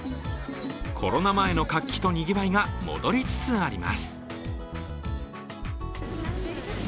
コロナ前の活気とにぎわいが戻りつつあります。